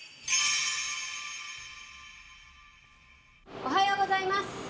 おはようございます。